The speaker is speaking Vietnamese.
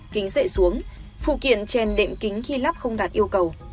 kính dậy xuống phụ kiện chèn đệm kính khi lắp không đạt yêu cầu